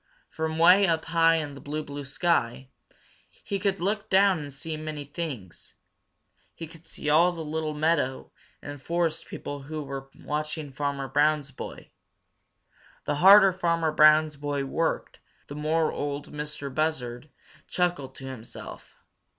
From way up high in the blue, blue sky he could look down and see many things. He could see all the little meadow and forest people who were watching Farmer Brown's boy. The harder Farmer Brown's boy worked, the more Ol' Mistah Buzzard chuckled to himself.